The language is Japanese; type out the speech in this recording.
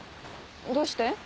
どうして？